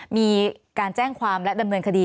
มีการแจ้งความและดำเนินคดี